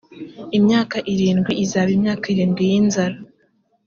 imyaka irindwi izaba imyaka irindwi y’inzara